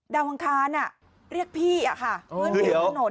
ดาวงคลานเรียกพี่ค่ะเพื่อนพี่ของถนน